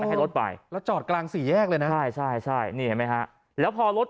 ให้รถไปแล้วจอดกลางสี่แยกเลยนะใช่ใช่นี่เห็นไหมฮะแล้วพอรถ